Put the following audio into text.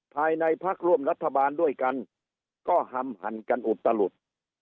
ภายในพักร่วมรัฐบาลด้วยกันก็ห่ำหันกันอุตลุด